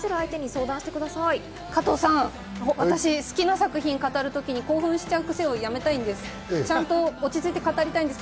加藤さん、私、好きな作品を語るときに興奮しちゃう癖をやめたいんです。